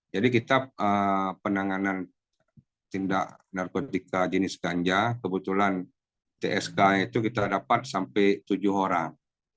jadi kita penanganan tindak narkotika jenis ganja kebetulan tsk itu kita dapat sampai tujuh orang